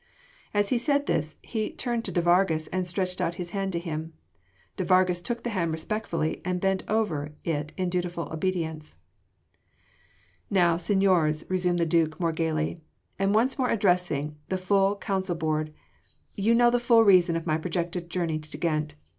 As he said this, he turned to de Vargas and stretched out his hand to him. De Vargas took the hand respectfully and bent over it in dutiful obedience. "Now, seigniors," resumed the Duke more gaily, and once more addressing the full council board, "you know the full reason of my projected journey to Ghent.